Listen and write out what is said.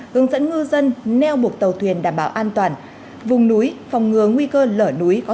hướng dẫn ngư dân neo buộc tàu thuyền đảm bảo an toàn vùng núi phòng ngừa nguy cơ lở núi